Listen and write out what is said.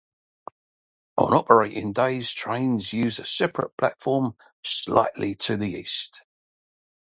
On operating days trains use a separate platform slightly to the east.